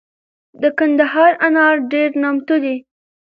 دکندهار انار دیر نامتو دي